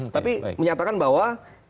tapi menyatakan bahwa